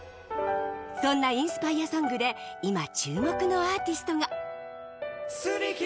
そんなインスパイアソングで、今注目のアーティストが。